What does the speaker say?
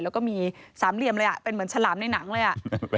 แล้วก็มีสามเหลี่ยมเลยอ่ะเป็นเหมือนฉลามในหนังเลยอ่ะ